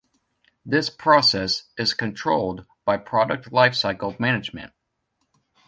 This process is controlled by product life cycle management.